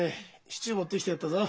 シチュー持ってきてやったぞ。